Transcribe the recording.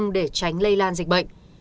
để tránh lây lan dịch bệnh